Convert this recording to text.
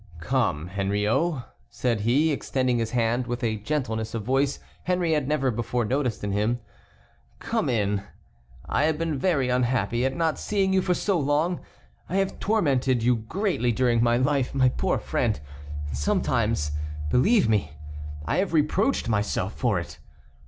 "Come, Henriot," said he, extending his hand with a gentleness of voice Henry had never before noticed in him. "Come in; I have been very unhappy at not seeing you for so long. I have tormented you greatly during my life, my poor friend, and sometimes, believe me, I have reproached myself for it.